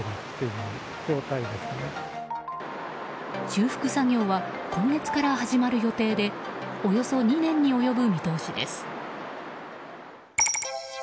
修復作業は今月から始まる予定でおよそ２年に及ぶ見通しです。